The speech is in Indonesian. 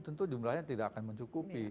tentu jumlahnya tidak akan mencukupi